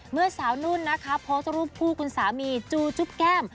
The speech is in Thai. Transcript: เมื่อสาวนุ่นนะคะโพสต์รูปคู่คุณสามีจูจุ๊บแก้ม